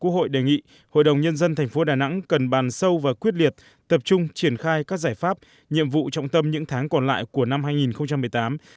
hội đề nghị hội đồng nhân dân tp hcm cần bàn sâu và quyết liệt tập trung triển khai các giải pháp nhiệm vụ trọng tâm những tháng còn lại của năm hai nghìn một mươi tám